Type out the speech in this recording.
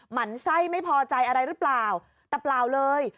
หมั่นไส้ไม่พอใจอะไรหรือเปล่าแต่เปล่าเลย